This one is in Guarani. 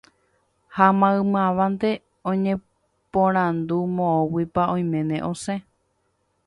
ha maymávante oñeporandu moõguipa oiméne osẽ